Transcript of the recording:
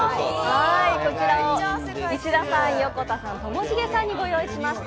こちらを石田さん、横田さんともしげさんにご用意しました。